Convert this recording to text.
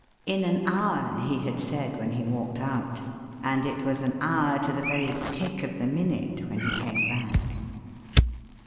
In an hour he had said when he walked out, and it was an hour to the very tick of the minute when he came back.